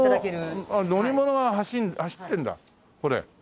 乗り物が走ってるんだこれ。